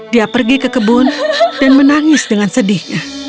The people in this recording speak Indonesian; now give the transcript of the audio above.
dia pergi ke kebun dan menangis dengan sedih